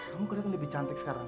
kamu kelihatan lebih cantik sekarang